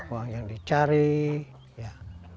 uang yang dicari ya